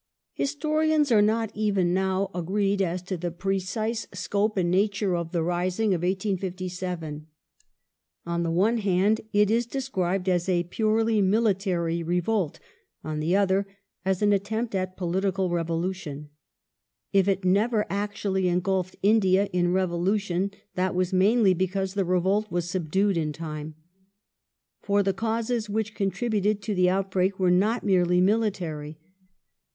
Historians are not, even now, agreed as to the precise scope and Causes of nature of the rising of 1857. On the one hand it is described as [^^. 1 •!• 1 !•• 1 Mutiny a purely military revolt, on the other as an attempt at political revolution. If it never actually engulfed India in revolution, that was mainly because the revolt was subdued in time. For the causes which contributed to the outbreak were not merely military.